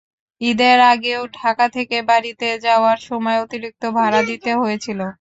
ঈদের আগেও ঢাকা থেকে বাড়িতে যাওয়ার সময় অতিরিক্ত ভাড়া দিতে হয়েছিল।